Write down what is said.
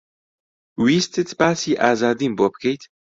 ویستت باسی ئازادیم بۆ بکەیت؟